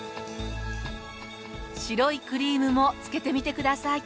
白いクリームもつけてみてください。